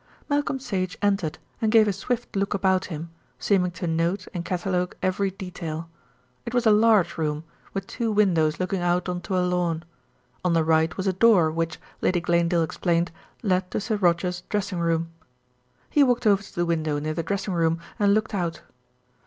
Malcolm Sage entered and gave a swift look about him, seeming to note and catalogue every detail. It was a large room, with two windows looking out on to a lawn. On the right was a door, which, Lady Glanedale explained, led to Sir Roger's dressing room. He walked over to the window near the dressing room and looked out.